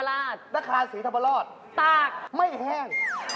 นาคารสีธรรมราชตากไม่แห้ง